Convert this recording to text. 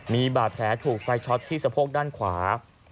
มีบาดแผลถูกไฟช็อตที่สะโพกด้านขวา